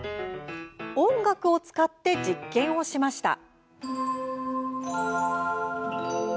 音楽を使って実験をしました。